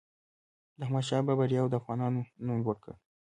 د احمدشاه بابا بریاوو د افغانانو نوم لوړ کړ.